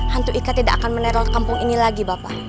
hantu ika tidak akan meneror kampung ini lagi bapak